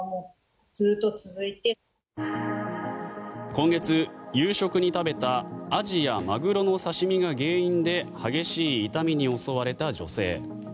今月、夕食に食べたアジやマグロの刺し身が原因で激しい痛みに襲われた女性。